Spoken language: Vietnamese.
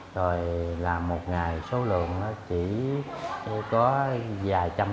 rồi làm một ngày số lượng chỉ có vài trăm